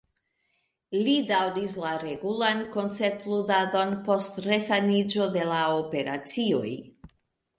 Li daŭris la regulan koncertludadon post resaniĝo de la operacioj.